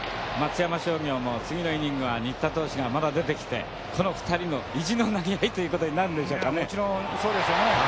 松山商業も次のイニングは新田投手がまだ出てきてこの２人の意地の投げ合いということになるんでしょうかね。